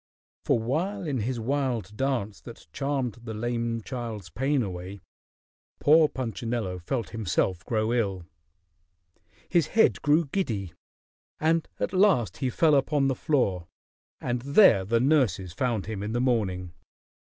For while in his wild dance that charmed the lame child's pain away, poor Punchinello felt himself grow ill. His head grew giddy, and at last he fell upon the floor, and there the nurses found him in the morning.